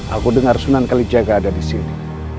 aku dengar sunan kalijaga ada di sini